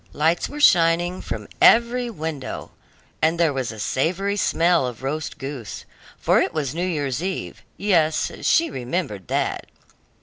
Lights were shining from every window, and there was a savory smell of roast goose, for it was New year's eve yes, she remembered that.